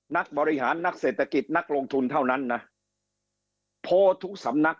นักบริหารนักเศรษฐกิจนักลงทุนเท่านั้นนะโพลทุกสำนัก